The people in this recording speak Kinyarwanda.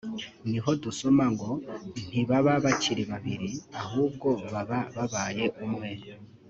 niho dusoma ngo “ntibaba bakiri babiri ahubwo baba babaye umwe